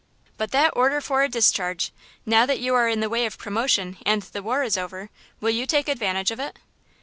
But that order for a discharge! now that you are in the way of promotion and the war is over, will you take advantage of it?"